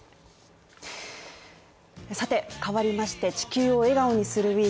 さて、変わりまして「地球を笑顔にするＷＥＥＫ」